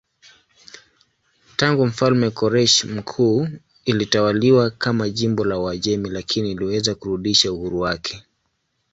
Tangu mfalme Koreshi Mkuu ilitawaliwa kama jimbo la Uajemi lakini iliweza kurudisha uhuru wake.